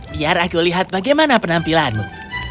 biar aku lihat bagaimana penampilanmu